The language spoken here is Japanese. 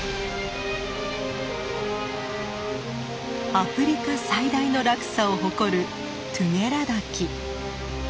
アフリカ最大の落差を誇るトゥゲラ滝。